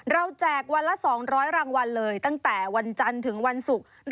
แจกวันละ๒๐๐รางวัลเลยตั้งแต่วันจันทร์ถึงวันศุกร์